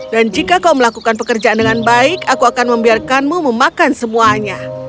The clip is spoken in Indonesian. dan jika kau melakukan pekerjaan dengan baik aku akan membiarkanmu memakan semuanya